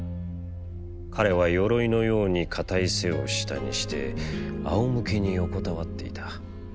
彼は鎧のように堅い背を下にして、あおむけに横たわっていた。